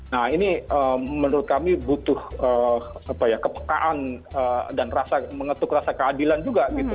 nah ini menurut kami butuh kepekaan dan rasa mengetuk rasa keadilan juga gitu